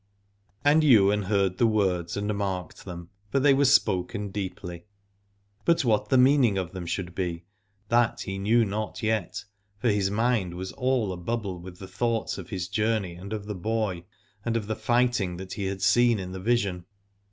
And Ywain heard the words and marked them, for they were spoken deeply. But what the meaning of them should be, that he knew not yet, for his mind was all a bubble with the thoughts of his journey and of the boy, aud of the fighting that he had seen in the vision.